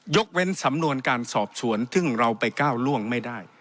เว้นสำนวนการสอบสวนซึ่งเราไปก้าวล่วงไม่ได้